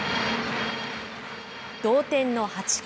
同点の８回。